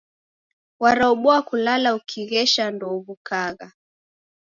Waraobua kulala ukighesha ndouw'ukagha.